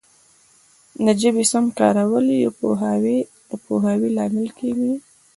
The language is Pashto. د ژبي سم کارول د پوهاوي لامل کیږي.